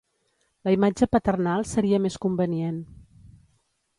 La imatge paternal seria més convenient.